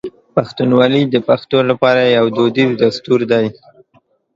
پښتونولي د پښتنو لپاره یو دودیز دستور دی.